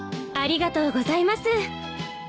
ありがとうございます。